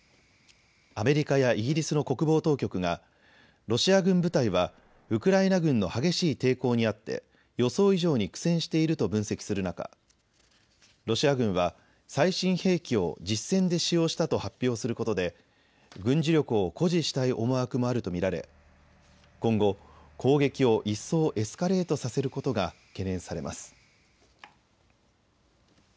アメリカやイギリスの国防当局がロシア軍部隊はウクライナ軍の激しい抵抗にあって予想以上に苦戦していると分析する中、ロシア軍は最新兵器を実戦で使用したと発表することで軍事力を誇示したい思惑もあると見られ今後、攻撃を一層エスカレートさせることが懸念されます。